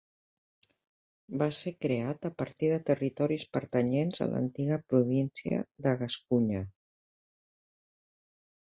Va ser creat a partir de territoris pertanyents a l'antiga província de Gascunya.